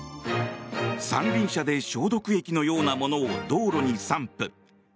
三輪車で消毒液のようなものを道路に散布。